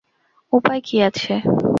উপায় কী আছে?